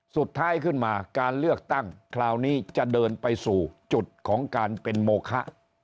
สุดท้ายขึ้นมาการเลือกตั้งคราวนี้จะเดินไปสู่จุดของการเป็นโมคะ